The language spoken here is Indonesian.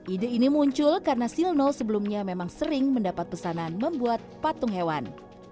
ide ini muncul karena silno sebelumnya memang sering mendapat pesanan membuat patung hewan